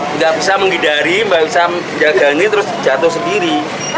tidak bisa menghindari tidak bisa menjaganya terus jatuh sendiri